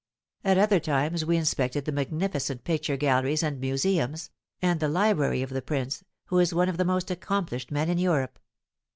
At other times we inspected the magnificent picture galleries and museums, and the library of the prince, who is one of the most accomplished men in Europe.